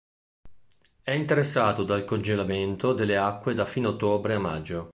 È interessato dal congelamento delle acque da fine ottobre a maggio.